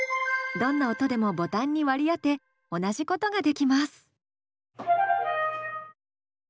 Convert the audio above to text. どんな音でもボタンに割り当て同じことができます。